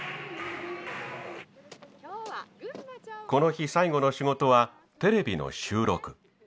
この日最後の仕事はテレビの収録。